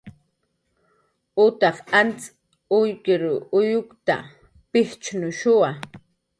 Utaq anz uykir uyukta, pijchnushuwa